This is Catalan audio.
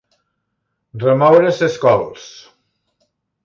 Remoure ses cols.